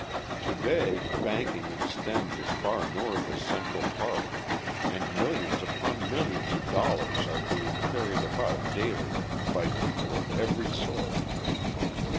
To day, banking extends as far north as Central Park, and millions upon millions of dollars are being carried about daily by people of every sort.